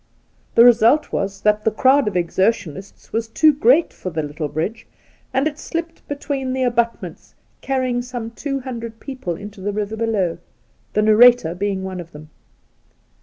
The result was that the crowd of excursionists was too great for the little bridge, and it slipped between the abutments, carrying some two hundred people into the river below, the narrator being one of them.